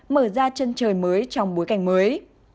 mở ra chân trời mới trong bối cảnh mới